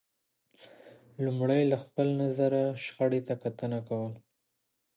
لمړی له خپل نظره شخړې ته کتنه کول